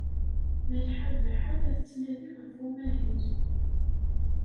Malḥa Baḥa la tettnadi ɣef umahil.